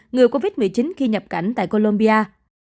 ngừa covid một mươi chín khi nhập cảnh tại colombia